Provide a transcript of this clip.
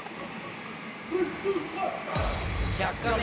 「１００カメ」。